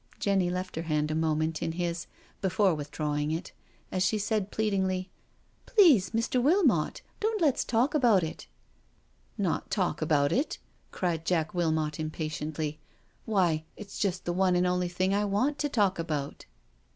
Jenny left her hand a moment in his before with* drawing it, as she said pleadingly, '* Please^ Mr. Wil mot, don't let us talk about it." " Not talk about itl " cried Jack Wilmot impatiently, " why, it's just the one and only thing I want to talk about."